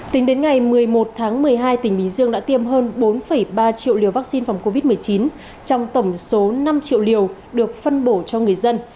tính đến ngày một mươi một tháng một mươi hai tỉnh bình dương đã tiêm hơn bốn ba triệu liều vaccine phòng covid một mươi chín trong tổng số năm triệu liều được phân bổ cho người dân